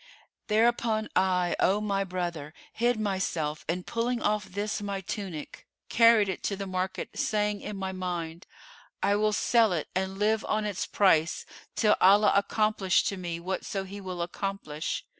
Thereupon I, O my brother, hid myself and pulling off this my tunic, carried it to the market, saying in my mind, 'I will sell it and live on its price, till Allah accomplish to me whatso he will accomplish.